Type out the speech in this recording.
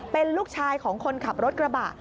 เป็นลูกชายของคนขับรถกระบะ